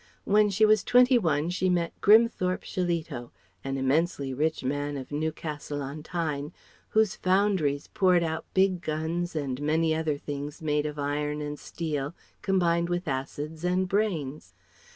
When she was twenty one she met Grimthorpe Shillito, an immensely rich man of Newcastle on Tyne, whose foundries poured out big guns and many other things made of iron and steel combined with acids and brains.